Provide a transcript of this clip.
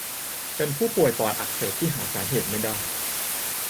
เป็นผู้ป่วยปอดอักเสบที่หาสาเหตุไม่ได้